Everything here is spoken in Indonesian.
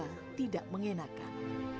dan juga tidak mengenakan